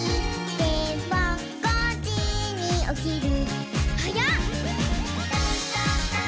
「でも５じにおきる」